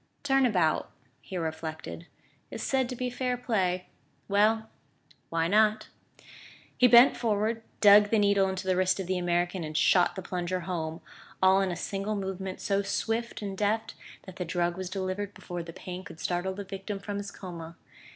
"Turn about," he reflected, "is said to be fair play.... Well, why not?" He bent forward, dug the needle into the wrist of the American and shot the plunger home, all in a single movement so swift and deft that the drug was delivered before the pain could startle the victim from his coma.